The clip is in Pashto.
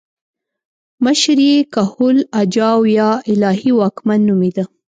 مشر یې کهول اجاو یا الهي واکمن نومېده